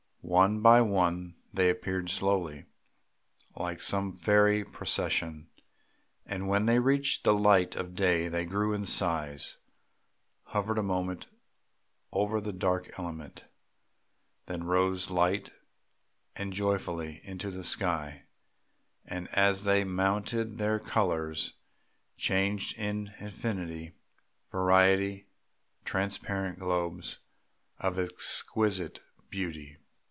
One by one they appeared slowly like some fairy procession; and when they reached the light of day they grew in size, hovered a moment over the dark element, then rose light and joyful into the sky, and as they mounted their colours changed in infinite variety, transparent globes of exquisite beauty.